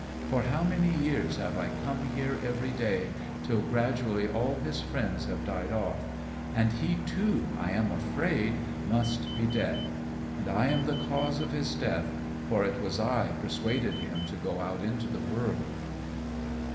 For how many years have I come here every day, till gradually all his friends have died off and he, too, I am afraid, must be dead; and I am the cause of his death, for it was I persuaded him to go out into the world."